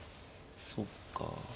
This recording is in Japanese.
そっか。